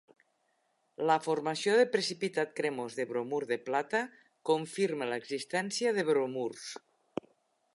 La formació de precipitat cremós de bromur de plata confirma l'existència de bromurs.